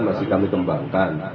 masih kami kembangkan